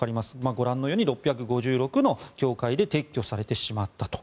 ご覧のように６５６の教会で撤去されてしまったと。